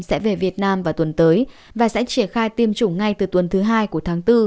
sẽ về việt nam vào tuần tới và sẽ triển khai tiêm chủng ngay từ tuần thứ hai của tháng bốn